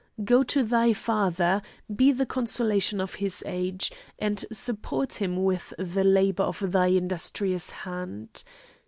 Go to thy father: be the consolation of his age, and support him with the labour of thy industrious hand.